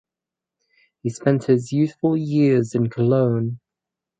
He spent his youthful years in Cologne.